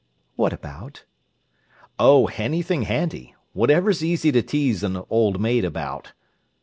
"What about?" "Oh, anything handy—whatever's easy to tease an old maid about."